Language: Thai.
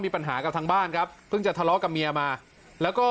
มีปัญหากับทางบ้านครับเพิ่งจะทะเลาะกับเมียมาแล้วก็